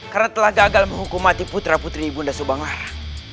karena telah gagal menghukum mati putra putri bunda subang lara